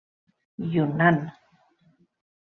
Yunnan.